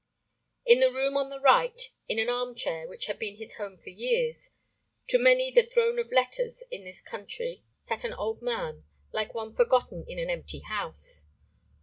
In the room on the right, in an armchair which had been his home for years—to many the throne of letters in this country—sat an old man, [Pg 9]like one forgotten in an empty house.